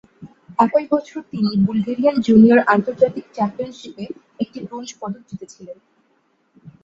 একই বছর, তিনি বুলগেরিয়ান জুনিয়র আন্তর্জাতিক চ্যাম্পিয়নশিপে একটি ব্রোঞ্জ পদক জিতেছিলেন।